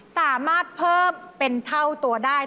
สามารถเพิ่มเป็นเท่าตัวได้